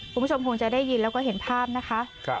คุณผู้ชมคงจะได้ยินแล้วก็เห็นภาพนะคะ